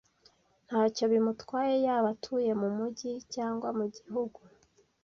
Ntacyo bimutwaye yaba atuye mumujyi cyangwa mugihugu.